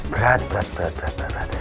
berat berat berat